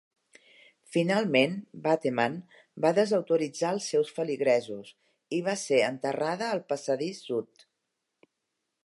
Finalment, Bateman va desautoritzar els seus feligresos i va ser enterrada al passadís sud.